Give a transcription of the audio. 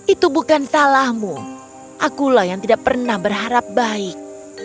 itu bukan salahmu akulah yang tidak pernah berharap baik